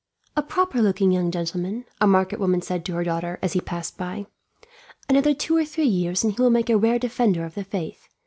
"A proper looking young gentleman," a market woman said to her daughter, as he passed. "Another two or three years, and he will make a rare defender of the faith.